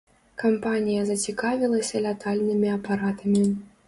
Кампанія зацікавілася лятальнымі апаратамі.